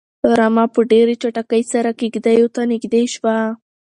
رمه په ډېرې چټکۍ سره کيږديو ته نږدې شوه.